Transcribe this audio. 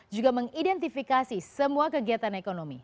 juga mengidentifikasi semua kegiatan ekonomi